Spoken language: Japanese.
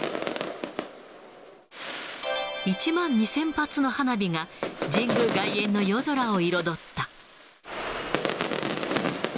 １万２０００発の花火が、神宮外苑の夜空を彩った。